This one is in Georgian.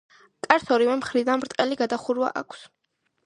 კარს ორივე მხრიდან ბრტყელი გადახურვა აქვს.